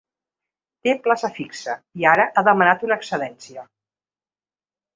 Té plaça fixa i ara ha demanat una excedència.